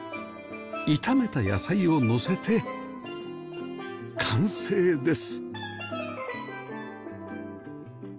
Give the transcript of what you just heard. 炒めた野菜をのせて完成です